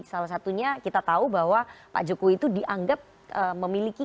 salah satunya kita tahu bahwa pak jokowi itu dianggap memiliki